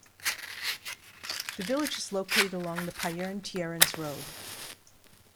The village is located along the Payerne-Thierrens road.